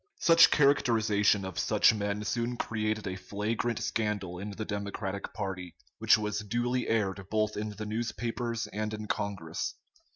Such characterization of such men soon created a flagrant scandal in the Democratic party, which was duly aired both in the newspapers and in Congress.